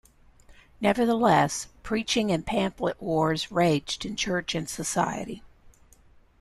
Nevertheless, preaching and pamphlet wars raged in church and society.